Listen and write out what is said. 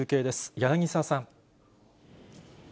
柳澤さん。